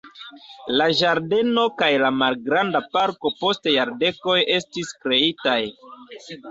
La ĝardeno kaj la malgranda parko post jardekoj estis kreitaj.